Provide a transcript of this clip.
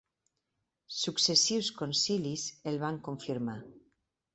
Successius concilis el van confirmar.